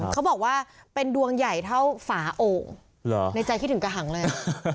เขาบอกว่าเป็นดวงใหญ่เท่าฝาโอ่งในใจคิดถึงกระหังเลย